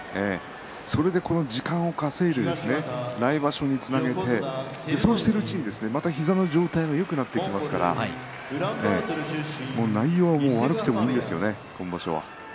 それで時間を稼いで来場所につなげてそうしているうちに、また膝の状態がよくなってきますから内容は悪くてもいいですよね